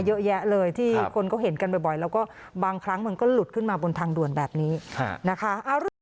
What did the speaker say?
เยอะแยะเลยที่คนเขาเห็นกันบ่อยแล้วก็บางครั้งมันก็หลุดขึ้นมาบนทางด่วนแบบนี้นะคะ